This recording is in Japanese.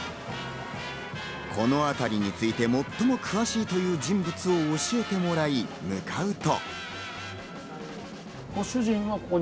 この辺りについて最も詳しいという人物を教えてもらい向かうと。